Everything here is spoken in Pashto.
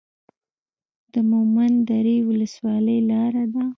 د مومند درې ولسوالۍ لاره ده